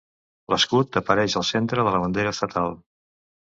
L'escut apareix al centre de la bandera estatal.